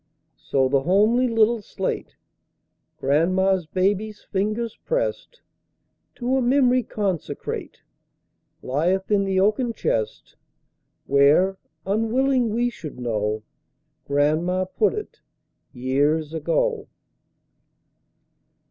So the homely little slate Grandma's baby's fingers pressed, To a memory consecrate, Lieth in the oaken chest, Where, unwilling we should know, Grandma put it, years ago.